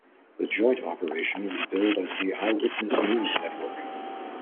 The joint operation was billed as the "Eyewitness News Network".